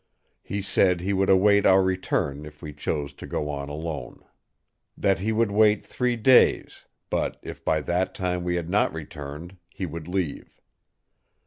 He said he would await our return if we chose to go on alone. That he would wait three days; but if by that time we had not returned he would leave.